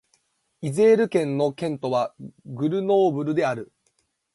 イゼール県の県都はグルノーブルである